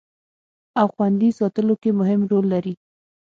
او خوندي ساتلو کې مهم رول لري